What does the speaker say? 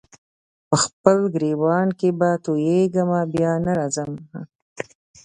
په خپل ګرېوان کي به تویېږمه بیا نه راځمه